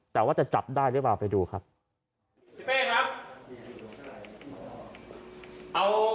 แต่ว่าจะจับได้หรือเปล่าไปดูครับพี่เป้ครับ